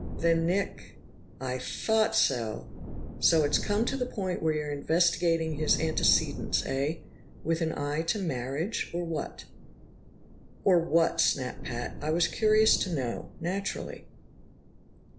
"Then Nick ." "I thought so! So it's come to the point where you're investigating his antecedents, eh? With an eye to marriage, or what?" "Or what!" snapped Pat. "I was curious to know, naturally."